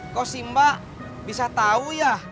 kok sih mbak bisa tahu ya